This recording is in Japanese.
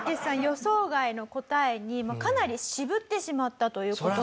予想外の答えにかなり渋ってしまったという事なんです。